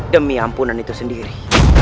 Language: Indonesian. demi ampunan itu sendiri